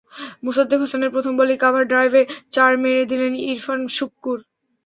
মোসাদ্দেক হোসেনের প্রথম বলেই কাভার ড্রাইভে চার মেরে দিলেন ইরফান শুক্কুর।